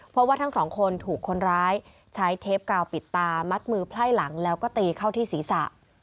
เพราะว่าทั้งสองคนถูกคนร้ายใช้เทปกาวปิดตามัดมือไพ่หลังแล้วก็ตีเข้าที่ศีรษะ